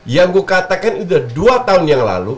yang gue katakan udah dua tahun yang lalu